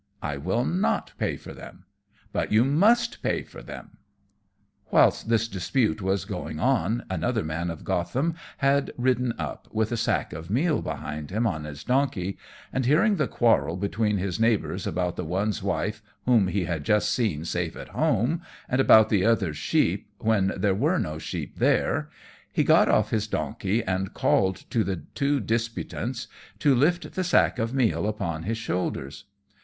"I will not pay for them." "But you must pay for them." Whilst this dispute was going on another man of Gotham had ridden up, with a sack of meal behind him on his donkey, and hearing the quarrel between his neighbours about the one's wife, whom he had just seen safe at home, and about the other's sheep, when there were no sheep there, he got off his donkey and called to the two disputants to lift the sack of meal upon his shoulders.